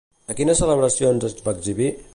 A quines celebracions es va exhibir?